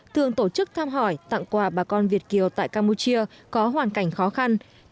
thường tổ chức thăm hỏi tặng quà bà con việt kiều tại campuchia có hoàn cảnh khó khăn